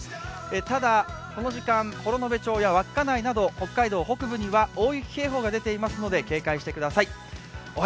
ただ、この時間、幌延町や稚内など、北海道北部には大雪警報が出ていますので警戒してください。